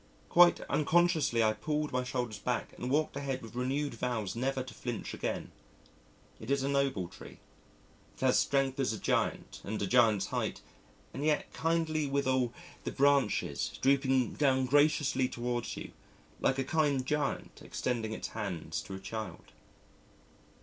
Quite unconsciously I pulled my shoulders back and walked ahead with renewed vows never to flinch again. It is a noble tree. It has strength as a giant, and a giant's height, and yet kindly withal, the branches drooping down graciously towards you like a kind giant extending its hands to a child.